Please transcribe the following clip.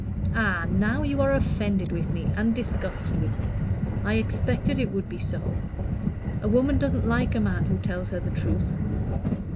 "Ah! now you are offended with me, and disgusted with me. I expected it would be so. A woman doesn't like a man who tells her the truth."